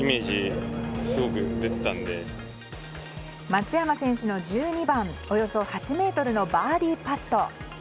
松山選手の１２番およそ８ｍのバーディーパット。